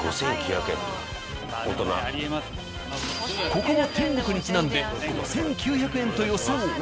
ここも天国にちなんで５，９００円と予想。